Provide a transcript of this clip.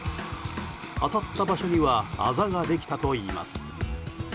当たった場所にはあざができたといいます。